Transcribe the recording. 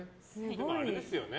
でもあれですよね。